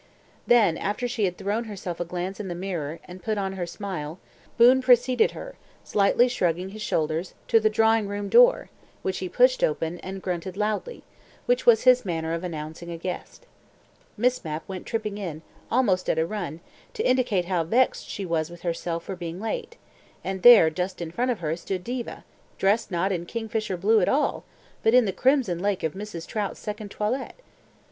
Then, after she had thrown herself a glance in the mirror, and put on her smile, Boon preceded her, slightly shrugging his shoulders, to the drawing room door, which he pushed open, and grunted loudly, which was his manner of announcing a guest. Miss Mapp went tripping in, almost at a run, to indicate how vexed she was with herself for being late, and there, just in front of her, stood Diva, dressed not in kingfisher blue at all, but in the crimson lake of Mrs. Trout's second toilet.